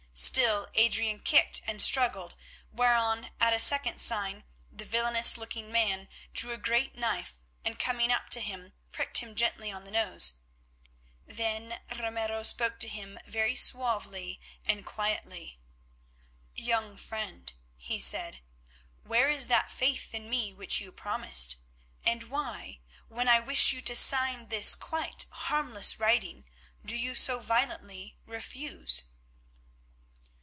Still Adrian kicked and struggled, whereon, at a second sign, the villainous looking man drew a great knife, and, coming up to him, pricked him gently on the nose. Then Ramiro spoke to him very suavely and quietly. "Young friend," he said, "where is that faith in me which you promised, and why, when I wish you to sign this quite harmless writing, do you so violently refuse?"